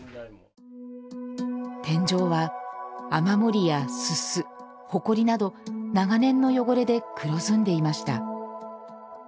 天井は雨漏りやすすほこりなど長年の汚れで黒ずんでいました